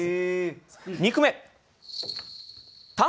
２句目。